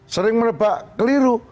sering menebak keliru